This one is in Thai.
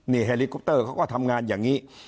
เฮลิคอปเตอร์เขาก็ทำงานอย่างนี้